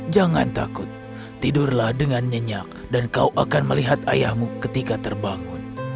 jangan takut tidurlah dengan nyenyak dan kau akan melihat ayahmu ketika terbangun